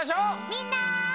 みんな！